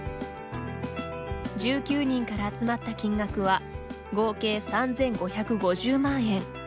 １９人から集まった金額は合計３５５０万円。